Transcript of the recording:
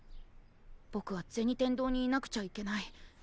ぼくは銭天堂にいなくちゃいけない。